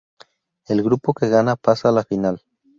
El grupo que gana pasa a la final.